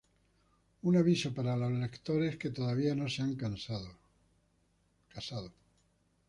Un aviso para los lectores que todavía no se han casado.